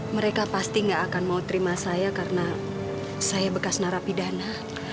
mereka pasti gak akan mau terima saya karena saya bekas narapidana